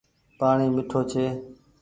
پآڻيٚ ميِٺو ڇي۔